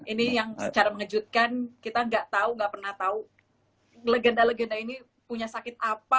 ini yang secara mengejutkan kita nggak tahu nggak pernah tahu legenda legenda ini punya sakit apa